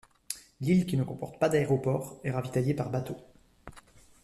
L'île qui ne comporte pas d'aéroport, est ravitaillée par bateau.